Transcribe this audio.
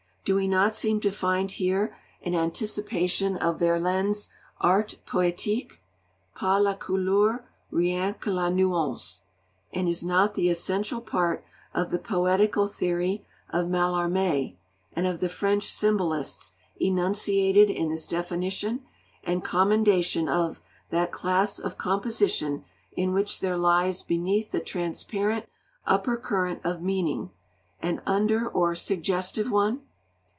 Do we not seem to find here an anticipation of Verlaine's 'Art Poétique': 'Pas la couleur, rien que la nuance'? And is not the essential part of the poetical theory of Mallarmé and of the French Symbolists enunciated in this definition and commendation of 'that class of composition in which there lies beneath the transparent upper current of meaning an under or suggestive one'?